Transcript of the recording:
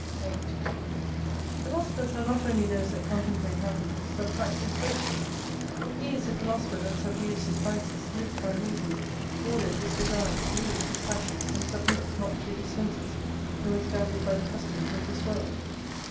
8 Philosophers are not only those that contemplate happiness, but practise virtue. He is a Philosopher that subdues his vices, lives by reason, orders his desires, rules his passions, and submits not to his senses, nor is guided by the customs of this world.